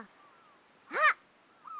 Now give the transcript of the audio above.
あっ！